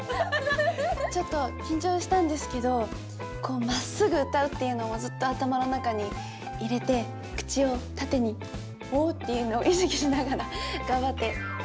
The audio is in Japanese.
ちょっと緊張したんですけどこうまっすぐ歌うっていうのをずっと頭の中に入れて口を縦にホーッていうのを意識しながら頑張って歌いました。